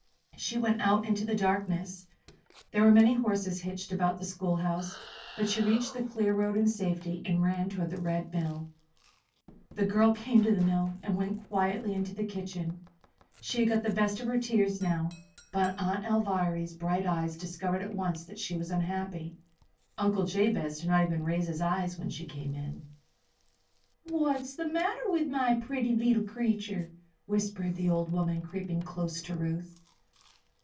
She went out into the darkness. There were many horses hitched about the schoolhouse, but she reached the clear road in safety and ran toward the Red Mill. The girl came to the mill and went quietly into the kitchen. She had got the best of her tears now, but Aunt Alviry's bright eyes discovered at once that she was unhappy. Uncle Jabez did not even raise his eyes when she came in. "What is the matter with my pretty leetle creetur?" whispered the old woman, creeping close to Ruth.